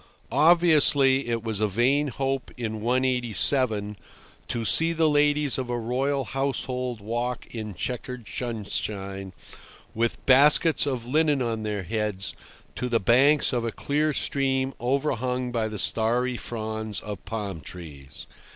Obviously it was a vain hope in 187– to see the ladies of a royal household walk in chequered sunshine, with baskets of linen on their heads, to the banks of a clear stream overhung by the starry fronds of palm trees.